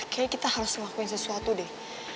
kayaknya kita harus lakuin sesuatu deh